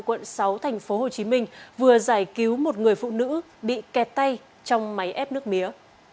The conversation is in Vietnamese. quận sáu tp hcm vừa giải cứu một người phụ nữ bị kẹt tay trong máy ép nước mía